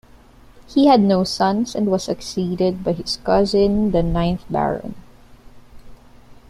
He had no sons and was succeeded by his cousin, the ninth Baron.